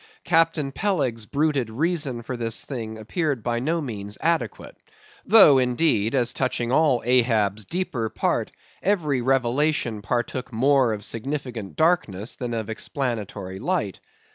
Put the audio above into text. Captain Peleg's bruited reason for this thing appeared by no means adequate; though, indeed, as touching all Ahab's deeper part, every revelation partook more of significant darkness than of explanatory light.